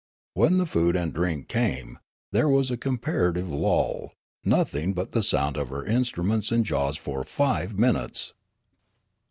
When the food and drink came, there was a comparative lull ; nothing but the sound of her instruments and jaws for five minutes.